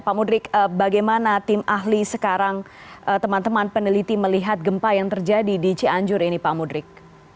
pak mudrik bagaimana tim ahli sekarang teman teman peneliti melihat gempa yang terjadi di cianjur ini pak mudrik